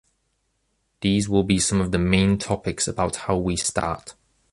These will be some of the main topics about how we start.